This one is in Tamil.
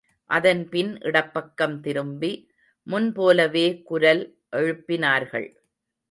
அதன் பின் இடப்பக்கம் திரும்பி, முன் போலவே குரல் எழுப்பினார்கள்.